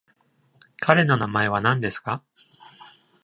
彼の名前は何ですか？